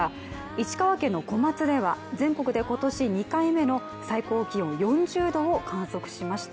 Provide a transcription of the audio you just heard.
石川県の小松では全国で今年２回目の最高気温４０度を観測しました。